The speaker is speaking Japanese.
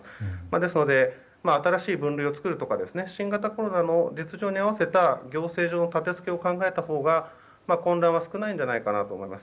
ですので新しい分類を作るとか新型コロナの実情に合わせた行政上の立て付けを考えたほうが、混乱は少ないんじゃないかと思います。